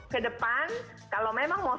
kedepan kalau memang mau